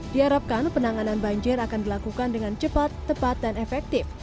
diharapkan penanganan banjir akan dilakukan dengan cepat tepat dan efektif